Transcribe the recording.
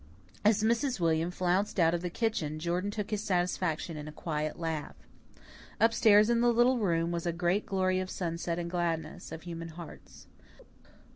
As Mrs. William flounced out of the kitchen, Jordan took his satisfaction in a quiet laugh. Up stairs in the little room was a great glory of sunset and gladness of human hearts.